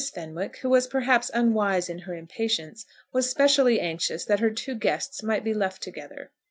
Fenwick, who was perhaps unwise in her impatience, was specially anxious that her two guests might be left together.